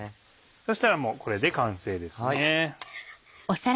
そしたらもうこれで完成ですね。